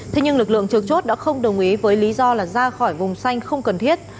thế nhưng lực lượng trực chốt đã không đồng ý với lý do là ra khỏi vùng xanh không cần thiết